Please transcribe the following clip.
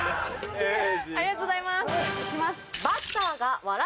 ありがとうございます行きます！